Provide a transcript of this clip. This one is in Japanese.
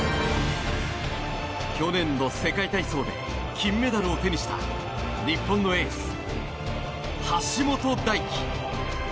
去年の世界体操で金メダルを手にした日本のエース、橋本大輝。